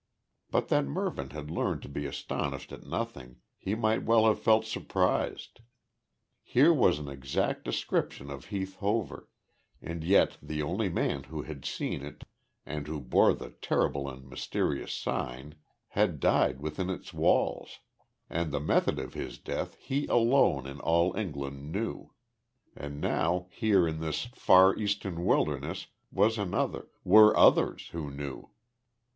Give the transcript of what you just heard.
But that Mervyn had learned to be astonished at nothing, he might well have felt surprised. Here was an exact description of Heath Hover, and yet the only man who had seen it, and who bore the terrible and mysterious Sign, had died within its walls, and the method of his death he alone in all England knew. And now here in this far Eastern wilderness was another were others who knew.